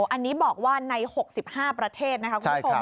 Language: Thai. อันนี้บอกว่าใน๖๕ประเทศนะคะคุณผู้ชม